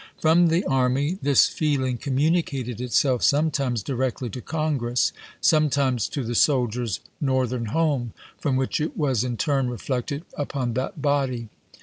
From the army this feeling communicated itself sometimes directly to Congress, sometimes to the soldier's Northern home, from which it was in turn reflected upon that body.